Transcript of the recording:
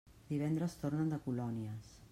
Divendres tornen de colònies.